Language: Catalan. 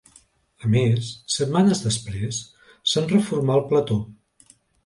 A més, setmanes després, se'n reformà el plató.